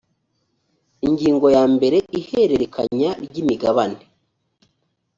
ingingo ya mbere ihererekanya ry imigabane